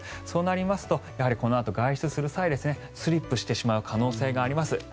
そうなりますとこのあと外出する際にスリップしてしまう可能性があります。